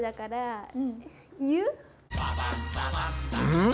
うん？